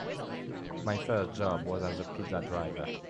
My first job was as a pizza driver.